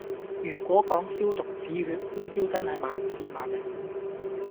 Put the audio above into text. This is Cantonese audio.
如果講消毒止血，呢招真係萬試萬靈